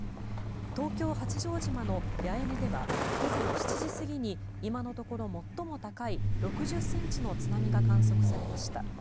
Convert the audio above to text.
東京・八丈島の八重根では午前７時過ぎに今のところ最も高い６０ｃｍの津波が観測されました。